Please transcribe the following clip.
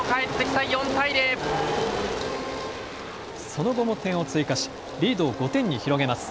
その後も点を追加しリードを５点に広げます。